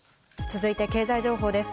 続いて経済情報です。